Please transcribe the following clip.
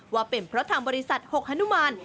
ว่าเป็นเพราะทางบริษัทหกฮนุมาน